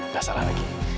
gak salah lagi